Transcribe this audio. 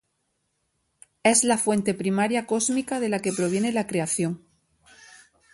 Es la fuente primaria cósmica de la que proviene la creación.